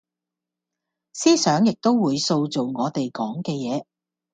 思想亦都會塑造我地講嘅野